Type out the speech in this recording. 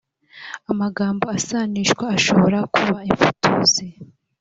amagambo asanishwa ashobora kuba imfutuzi: